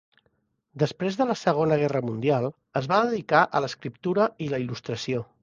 Després de la segona guerra mundial, es va dedicar a l'escriptura i la il·lustració.